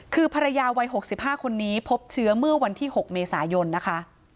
คือภรรยาวัย๖๕คนนี้พบเชื้อเมื่อวันที่๖เมษายนนะคะ